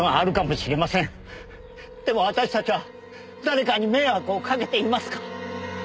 でも私たちは誰かに迷惑をかけていますか？